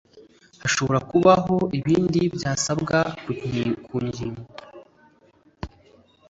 Hashobora kubaho ibindi byasabwa ku nyigo.